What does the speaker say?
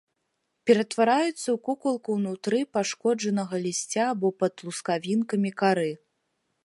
Ператвараюцца ў кукалку ўнутры пашкоджанага лісця або пад лускавінкамі кары.